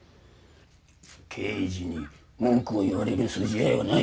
刑事に文くを言われるすじ合いはない。